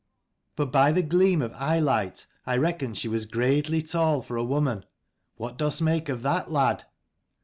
But by the gleam of eyelight, I reckon she was gradely tall for a woman. What dost make of that, lad?